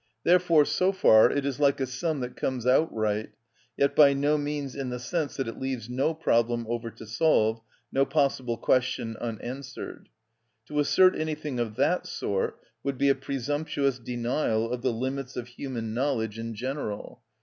Therefore, so far, it is like a sum that comes out right, yet by no means in the sense that it leaves no problem over to solve, no possible question unanswered. To assert anything of that sort would be a presumptuous denial of the limits of human knowledge in general.